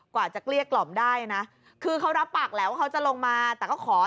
แต่ก็ขอเดี๋ยวไปทำความสะอาดเดี๋ยวขอไปส่อมหลางคาก่อน